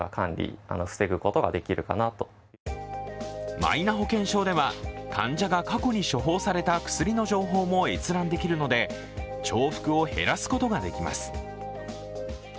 マイナ保険証では患者が過去に処方された薬の情報も閲覧できるので重複を減らすことができます。